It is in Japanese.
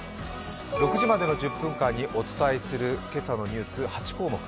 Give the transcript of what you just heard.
６時までの１０分間にお伝えする今朝のニュース８項目。